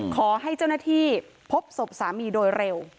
ขอให้เจ้าหน้าที่พบศพสามีโดยเร็ว